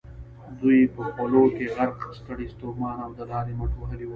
دوی په خولو کې غرق، ستړي ستومانه او د لارې مټ وهلي ول.